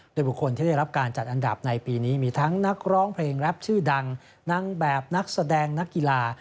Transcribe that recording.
โดยบุคคลที่ได้รับการจัดอันดับในปีนี้มีทั้งนักร้องเพลงแรปชื่อดังนางแบบนักแสดงนักกีฬา